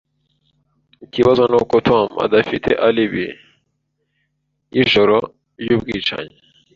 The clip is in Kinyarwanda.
Ikibazo nuko Tom adafite alibi yijoro ryubwicanyi.